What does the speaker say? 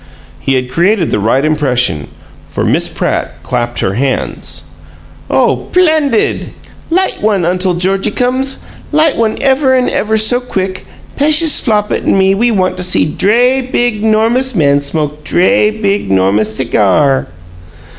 He had created the right impression, for Miss Pratt clapped her hands. "Oh, 'plendid! Light one, Untle Georgiecums! Light one ever 'n' ever so quick! P'eshus Flopit an' me we want see dray, big, 'normous man smoke dray, big, 'normous cigar!"